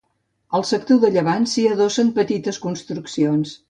Al sector de llevant s'hi adossen petites construccions.